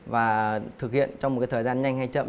và thực hiện trong một cái thời gian nhanh hay chậm